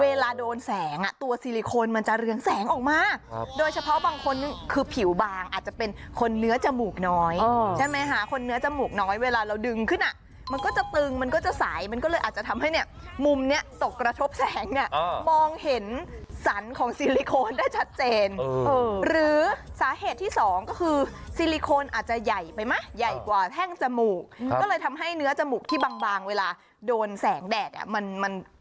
เวลาโดนแสงอะตัวซีลิโคนมันจะเรืองแสงออกมากโดยเฉพาะบางคนนึงคือผิวบางอาจจะเป็นคนเนื้อจมูกน้อยอ่อใช่มมั้ยขอเรียนคำตอบครับ